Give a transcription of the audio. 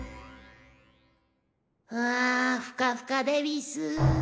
うわふかふかでうぃす。